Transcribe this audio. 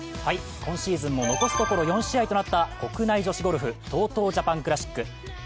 今シーズンも残すところ４試合となった国内女子ゴルフ、ＴＯＴＯジャパンクラシック。